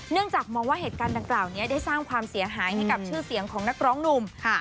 เนื่องจากมองว่าเหตุการณ์ต่างเนี้ยได้สร้างความเสียหายในกับชื่อเสียงของนักร้องหนุ่มค่ะ